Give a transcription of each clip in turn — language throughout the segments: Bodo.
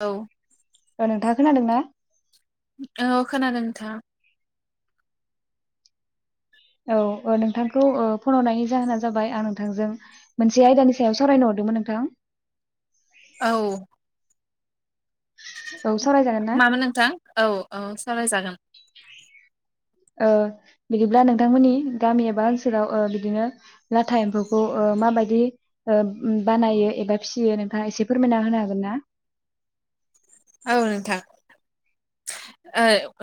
औ औ नोंथाङा खोनादों ना? औ खोनादों नोंथां। औ नोंथांखौ फन हरनायनि जाहोना जाबाय आं नोंथांजों मोनसे आयदानि सायाव सावरायनो हर मोन नोंथां औ औ सावरायजागोन ना मामोन नोंथां औ औ सावरायजागोन। बिदिब्ला नोंथांमोननि गामि एबा ओनसोलाव बिदिनो लाथा एम्फौखौ मा माबायदि बानायो एबा फिसियो नोंथाङा एसे फोरमायना होनो हागोन ना? औ नोंथां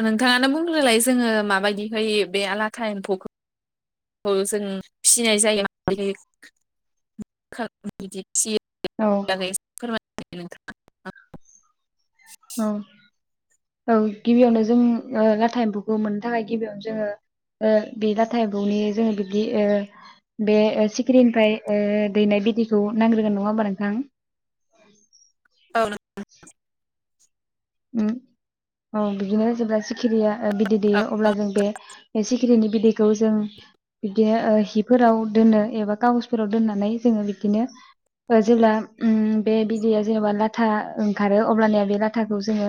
नोंथाङानो बुंग्रोलाय जोङो माबायदिहाय बे लाथा एम्फौखौ जों फिनाय जायो औ बिदि [unintelligible] [unintelligible] औ औ गिबियावनो जों लाथा एम्फौखौ मोननो थाखाय गिबियावनो जोङो बे लाथा एमफौनि जोङो बिदि बे सिखिरिनिफ्राय दैनाय बिदैखौ नांग्रोगोन नङा होमबा नोंथां? औ नंगौ [unintelligible] उम औ बिदिनो जेब्ला सिखिरिया बिदै दैेयो अब्ला जों बे सिखिरिनि बिदैखौ जों बिदिनो ओ हिफोराव दोनो एबा खागसफोराव दोननानै जोङो बिदिनो ओ जेब्ला उम बे बिदैया जेनेबा लाथा ओंखारो अब्लानिया बे लाथा खौ जोङो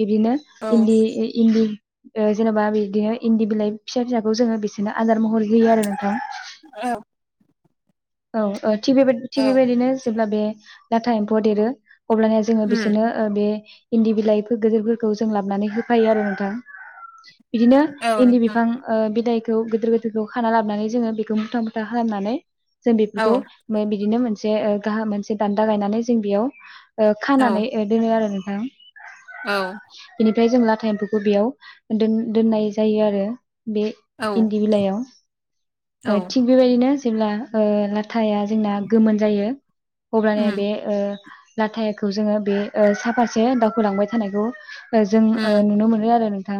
बिब्दिनो औ इन्दि इन्दि ओ जेनेबा बिदिनो इन्दि बिलाइ फिसा फिसाखौ जोङो बिसिनो आदार महरै होयो आरो नोंथां। औ औ ओ थि बेबाय थि औ बेबायदिनो जेब्ला बे लाथा एम्फौआ देरो अब्लानिया जोङो उम बिसोरनो ओ बे इन्दि बिलाइखो गोदोरफोरखौ जों लाबोनानै होफायो आरो नोंथां। इदिनो औ इन्दि नोंथां बिफां ओ बिलाइ खौ गोदोर गोदोरखौ खाना लाबोनानै जोङो बेखौ मुथा मुथा हानानै जों औ बेफोरखौ बिदिनो मोन से ओ गाहाम मोनसे दान्दा गायनानै जों बेयाव ओ औ खानानै ओ दोनो आरो नोंथां। औ। ओमफाय जों लाथा एम्फौखौ बेयाव दोन दोननाय जायो आरो। बे औ इन्दि बिलाइयाव ओ औ थिग बेबायदिनो जेब्ला ओ लाथाया जोंना गोमोन जायो अब्लानो उम बे ओ लाथाखौ जोङो बे सा फारसे दावखोलांबाय थानायखौ जों ओ उम नुनो मोनो आरो नों थां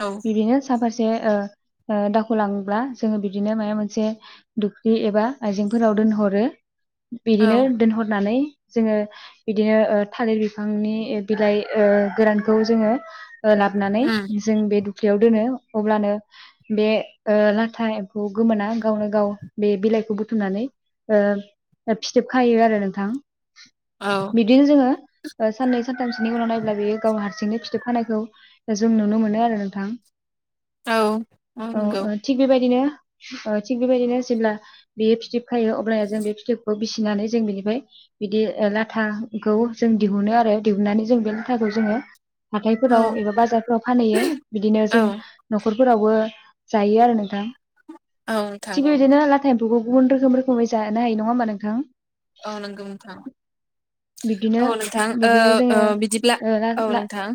औ बिदिनो साफा से ओ ओ दावखो लाब्ला जोङो बिदिनो मायबा मोनसे दुख्रि एबा आइजेंफोराव दोनहरो औ बिदिनो दोनहरनानै जोङो बिदिनो ओ थालिर बिफांनि बिलाइ ओ गोरानखौ जोङो ओ लाबनानै उम जों बे दुख्लियाव दोनो अब्लानो बे ओ लाथा एम्फौ गोमोना गावनो गाव बे बिलाइखौ बुथुमनानै ओ फिथोबखायो आरो नोंथां। औ बिदिनो जोङो ओ साननै सानथामसोनि उनाव नाब्ला बियो गाव हारसिंनो फिथोब खानायखौ जों नुनो मोनो आरो नोंथां। औ औ ओ थिग बेबायदिनो ओ थिग बेबायदिनो जेब्ला बेयो फिथोब खायो अब्लाया जों बे फिथोबखौ बिसिनानै जों बेनिफ्राय बिदि लाथा खौ जों दिहुनो आरो दिहुननानै जों बे लाथाखौ जोङो औ हाथायफोराव एबा बाजारफोराव फानहैयो बिदिनो औ जों न'खर फोरावबो जायो आरो नोंथां। औ। नोंथां थिग औ बेबायदिनो लाथा एम्फखौ गुबुन रोखोम रखोमै जानो हायो नंङा होमबा नोंथां? औ नंगौ नोथां। बिब्दिनो औ नोंथां ओ बिदिनो जोङो ओ बिदिब्ला ला औ ला नोंथां।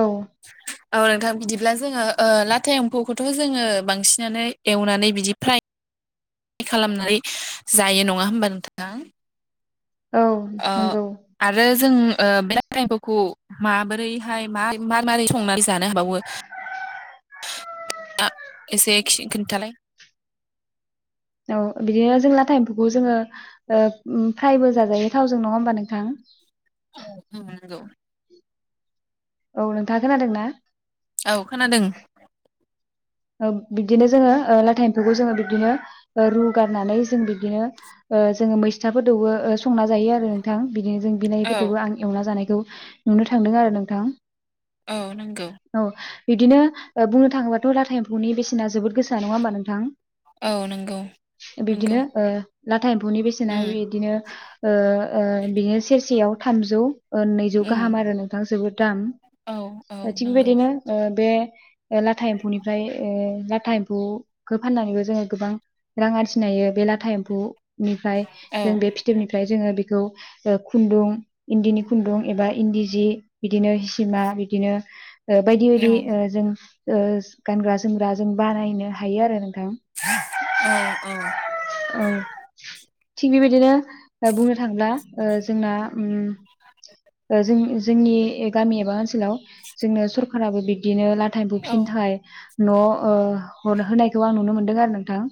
औ [inaudible] औ नोंथां बिदिब्ला जोङो ओ लाथा एम्फौखौथ' जोङो बांसिनानो एवनानै बिदि फ्राय खालामनानै जायो नंङा होमबा नोंथां? औ ओ नंगौ आरो जों ओ बे लाथा एम्फौखौ माबोरैहाय मार मारै मारै संनानै जानो हाबावो? [unintelligible] एसे खिन्थालाय। औ बिदिनो जों लाथा एम्फौखौ जोङो ओ फ्रायबो जाजायो थावजों नंङा होमबा नोंथां? औ ओं नगौ। औ नोंथांङा खोनादों ना? औ खोनादों। ओ बिदिनो जोंङो ओ लाथा एम्फौखौ जोङो बिदिनो रुगारनानै जों बिब्दिनो ओ जोंङो मैस्थाफोरदोबो ओ संना जायो आरो नोंथां। बिदिनो जों औ बिनायफोरदोबो आं एवना जानायखौ नुनो थांदों आरो नोंथां। औ नंगौ। औ बिदिनो बुंनो थाङोब्लाथ' लाथा एम्फौनि बेसेना जोबोद गोसा नङा होमबा नोंथां? औ नंगौ नंगौ बिब्दिनो लाथा एम्फौनि बेसेना उम बिदिनो औ बिनो सेरसेयाव थामजौ नैजौ उम गाहाम आरो नोंथां जोबोद दाम औ औ थिग नंगौ बेबायदिनो बे लाथा एम्फौनि ओमफ्राय लाथा एम्फौखौ फाननानैबो जोङो गोबां रां आरजिनायो बे लाथा एम्फौनिफ्राय औ जों बे फिथोबनिफ्राय जोङो बेखौ खुन्दुं इन्दिनि खुन्दुं एबा इन्दि जि बिदिनो सिमा बिदिनो बायदि औ बायदि जों गानग्रा जोमग्रा जों बानायनो हायो आरो नोंथां औ औ औ थिग बेबायदिनो बुंनो थाङोब्ला जोंना उम जों जोंनि गामि एबा ओनसोलाव जोंनो सरखाराबो बि दिनो लाथा एमफौ फिनो थाखाय न' ओ हर होनायखौ आं नुनो मोनदों आरो नोंथां।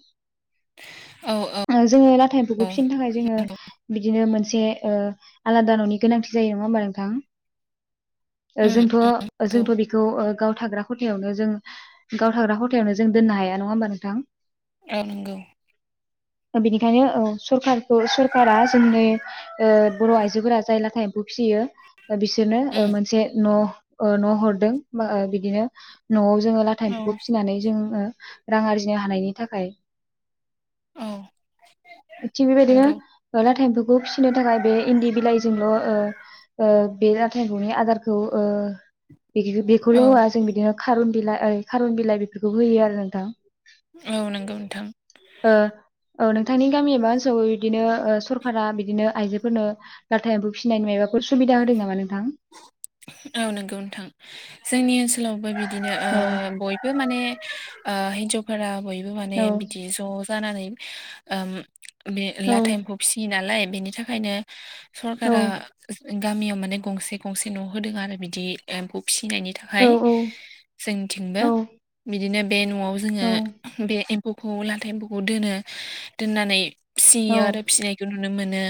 औ औ ओ जोङो लाथा एम्फौखौ औ फिनो थाखाय जोङो औ बिदिनो मोन से ओ आलादा न'नि गोनांथि जायो नङा हबा नोंथां? ओ उम जोंथ' नंगौ जोंथ' बेखौ ओ गाव थाग्रा खथायावनो जों गाव थाग्रा खथायावनो जों दोननो हाया नङा होमबा नोंथां? औ नंगौ ओ बेनिखायनो औ सरखार औ सरखारारा जोंनि ओ बर' आइजोफोरा जाय लाथा एमफौ फिसियो दा बिसोरनो ओ उम मोनसे न' ओ न' हरदों मा ओ बिदिनो न'वाव जोङो लाथा औ एमफौखौ फिसिनानै जोङो रां आरजिनो हानायनि थाखाय। औ। थिग बेबायदिनो नंगौ लाथा एमफौखौ फिसिनो थाखाय बे इनदि बिलाइजोंल' ओ ओ बे लाथा एमफौनि आदारखौ बेखौल' औ होआ जों बिदिनो खारुन बिलाइ ओरै खारुन बिलाइ बेफोरखौ होयो आरो नोंथां। औ नंगौ नोंथां। ओ औ नोंथांनि गामि एबा ओनसोलावबो बिदिनो सरकारा बिदिनो आइजोफोरनो लाथा एमफौ फिसिनायनि मायाबा सुबिदा होदों नामा नोंथां? औ नोंगौ नोंथां जोंनि ओनसोलावबो बिदिनो औ बयबो माने हिनजावफोरा बयबो माने औ बिदि ज' जानानै बे औ लाथा एमफौ फियो नालाय बेनि थाखायनो औ सरकारा गामियाव माने गंसे गंसे न' होदों आरो बिदि एमफौ फिसिनायनि थाखाय औ जोंथिंबो औ बिदिनो बे न'आव जोङो औ बे एमफौखौ लाथा एमफौखौ दोनो दोननानै औ फिसियो आरो फिसिनायखौ नुनो मोनो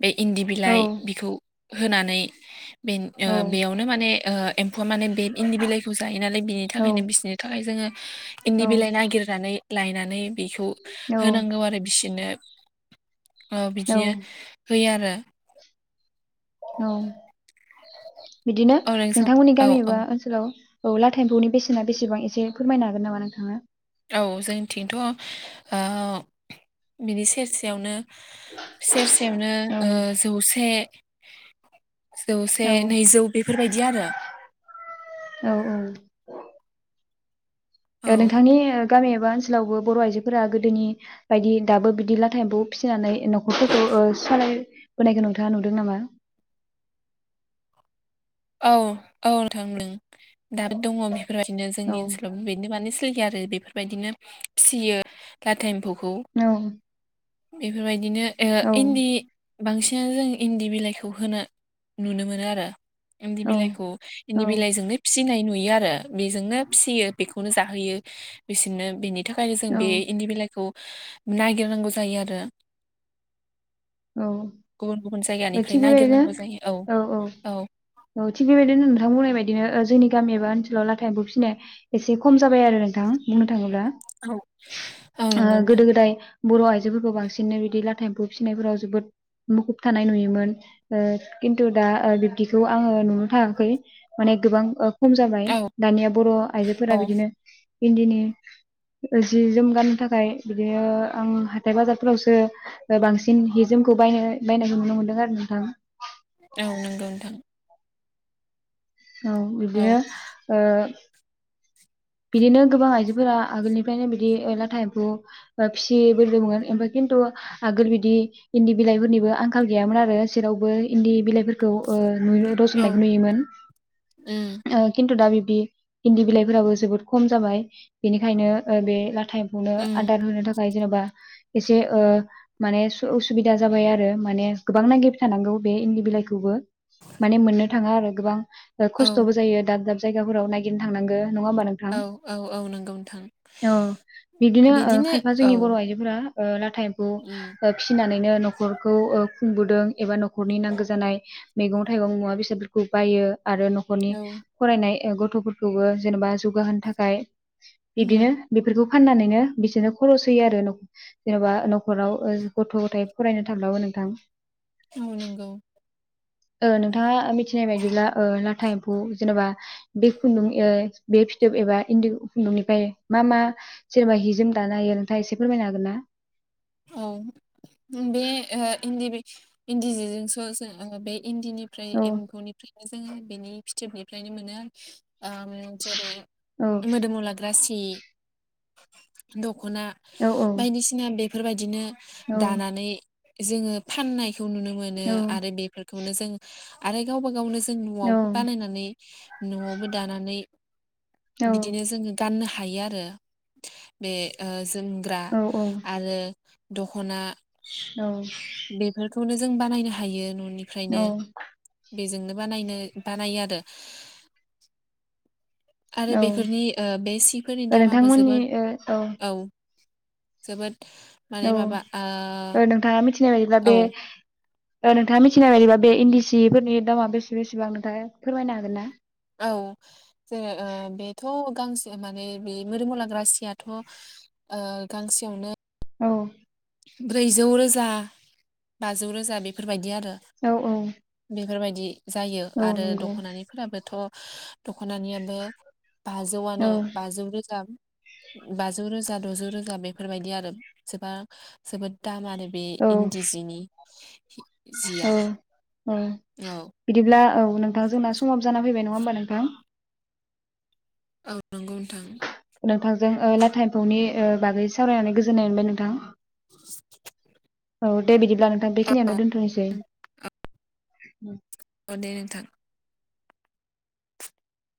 बे इनदि बिलाइ बिखौ होनानै बे बेयावनो माने एमफौआ माने बे इनदि बिलाइखौ जायो। नालाय बिनि थाखायनो बिसोरनि थाखाय जोङो इनदि बिलाइ नायगिरनानै लायनानै बेखौ औ होनांगौ आरो बिसोरनो औ बिदिनो होयो आरो। औ बिदिनो औ नोंसा नोंथांमोननि औ गामि औ एबा ओनसोलाव औ लाथा एमफौनि बेसेना बेसेबां एसे फोरमायनो हागोन नामा नोंथाङा? औ जोंथिंथ' बिनि सेरसेयावनो सेरसेयावनो औ जौसे जौसे औ नैजौ बेफोरबायदि आरो औ औ औ नोंथांनि गामियाबा आवबो बर' आइजोफोरा गोदोनि बायदि दाबो बिदि लाथा एमफौ फिसिनानै न'खरफोरखौ सालाय होनायखौ नोंथाङा नुदों नामा? [inaudible] औ औ नोंथां दाबो दङ बेफोरबायदिनो औ जोंनि ओनसोलाव बेनो मान [unintelligible] आरो बेफोरबायदिनो फिसियो लाथा एमफौ औ बेफोरबायदिनो ओ इनदि बांसिनानो जों इनदि बिलाइखौ होनो नुनो मोनो आरो। इनदि औ बिलाइखौ औ इनदि बिलाइजोंनो फिसिनाय नुयो आरो। रो बेजोंनो फिसियो बेखौनो जाहोयो बिसोरनो बेनि थाखायनो जों बे इनदि बिलाइखौ नायगिरनांगौ जायो आरो। औ गुबुन गुबुन औ जायगानिफ्राय थिग बेबायदिनो नागिरनांगौ जायो औ औ औ थिग बेबायदिनो नोंथां बुंनाय बादिनो ओ जोंनि गामि एबा ओनसोलाव लाथा एम्फौ फिसिन एसे खम जाबाय आरो नोंथां बुंनो थाङोब्ला औ औ ओ नंगौ नोंथां। गोदो गोदाय बर' आइजोफोरखौ बांसिननो बिदि लाथा एम्फौ फिसिनायफोराव जोबोद मुखुब थानाय नुयोमोन ओ खिन्थु दा ओ बिब्दिखौ आङो नुनो थाङाखै माने गोबां खम जाबाय औ दानिया बर' औ आइजोफोरा बिदिनो इनदिनि जि जोम गाननो थाखाय बिदिनो आं हाथाय बाजारफोरावसो बांसिन जोंखौ बाय बायनायखौ नुनो मोनदों आरो नोंथां। औ नंगौ नोंथां औ बिदिनो औ ओ बिदिनो गोबां आइजोफोरा आगोलनिफ्रायनो बिदि लाथा एम्फौ फिसि बोदोंमोन ओमफ्राय खिन्थ खिन्थु आगोल बिदि इन्दि बिलाइफोरनिबो आंखाल गैयामोन आरो जेरावबो इन्दि बिलाइफोरखौ ओ नुयो औ रज'नायखौ नुयोमोन उम खिन्थु दा बिब्दि इन्दि बिलाइफोराबो जोबोद खम जाबाय बेनिखायनो ओ बे लाथा एम्फौनो उम आदार होनो थाखाय जेनेबा एसे ओ माने उसुबिदा जाबाय आरो माने गोबां नागिरबाय थानांगौ बे इदि बिलाइखौबो माने मोननो थाङा आरो गोबां ओ औ खस्थ'बो जायो दाब दाब जायगाफोराव नागिरनो थांनांगो नङा होमबा? नोंथां औ औ औ नंगौ नोंथां औ बिदिनो ओ खायफा जोंनि बर' आइजोफोरा ओ लाथा एम्फौ उम ओ फिसिनानै न' खरखौ ओ खुंबोदों एबा न'खरनि नांगौ जानाय मैगं थाइगं मुवा बेसादफोरखौ बायो। आरो न'खरनि औ फरायनाय गथ'फोरखौबो जेनेबा जौगाहोनो थाखाय बिदिनो उम बेफोरखौ फाननानैनो बिसोरनो खरस होयो आरो जेन'बा न'खराव ओ गथ' गथाय फरायनो थाब्लाबो नों थां औ नंगौ ओ नोंथाङा मिथिनाय बायदिब्ला ओ लाथा एम्फौ जेनेबा बे खुन्दुं ओ बे फिथोब एबा इन्दि खुन्दुंनिफ्राय मा मा जेनेबा हि जोम दानो हायो नोंथाङा एसे फोरमायनो हागोन ना? [inaudible] औ बे ओ इन्दि इन्दि जिजोंसो जों बे इन्दिनिफ्राय औ एम्फौनिफ्रायनो जोङो बेनि फिथोबनिफ्रायनो मोनो उम जेरै मोदोमाव लाग्रा सि दख खना नोंथांमोननि बायदिसिना बेफोर बायदिनो औ दानानै जोङो फाननाय खौ नुनो मोनो औ आरो बेफोरखौनो जों आरो गावबा गावनो जों न'आवबो बानायनानै न'आवबो दानानै औ बिदिनो जोङो गाननो हा हायो आरो बे ओ जोमग्रा औ औ आरो दख'ना औ बेखौनो जों बानायनो हायो न'निफ्रायनो बेजोंनो बानायनो बानायो आरो। आरो बेफोरनि ओ बे सिफोरनि औ दामाबो नोंथांमोननि जोबोद ओ औ औ जोबोर औ नोंथाङा मिथिनाय बायदिब्ला ओ बे औ नोंथाङा मिथिनाय बायदिबा बे इन्दि सिफोरनि दामा बेसे बेसेबां नोंथाङा फोरमायनो हागोन ना? औ जोङो ओ बेथ' गांसे माने बे मोदोमाव लाग्रा सियाथ' ओ गांसेयावनो औ ब्रैजौ रोजा बाजौ रोजा बेफोर बायदि आरो। औ औ बेफोर बायदि जायो औ आरो नंगौ दख'नारिफोराबोथ' दख'नानियाबो औ बाजौआनो बाजौ रोजा बाजौ रोजा द'जौ रोजा बेफोर बायदि आरो सोबा जोबोद दाम आरो बे औ इन्दि जिनि जिया औ औ औ बिदिब्ला औ नोंथां जोंना समाबो जाना फैबाय नङा होमबा नोंथां? औ नंगौ नोंथां। नोंथांजों ओ लाथा एम्फौनि ओ बागै सावरायनानै गोजोननाय मोनबाय नोंथां। [inaudible] औ दे बिदिब्ला नोंथां बेखिनियावनो औ दोनथ'नोसै। अ दे नोंथां।